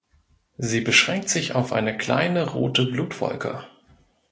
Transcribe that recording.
Sie beschränkt sich auf eine kleine rote „Blut-Wolke“.